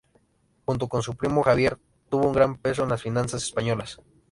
Junto con su primo Javier, tuvo un gran peso en las finanzas españolas.